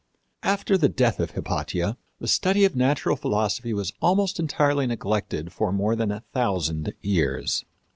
After the death of Hypatia, the study of natural philosophy was almost entirely neglected for more than a thousand years.